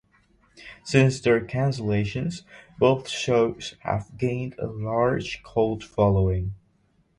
Since their cancellations, both shows have gained a large cult following.